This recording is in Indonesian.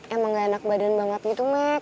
emang gak enak badan banget gitu mek